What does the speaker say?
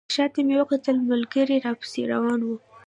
شاته مې وکتل ملګري راپسې روان وو.